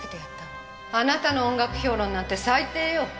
あなたの音楽評論なんて最低よ。